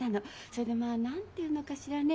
それでまあ何て言うのかしらね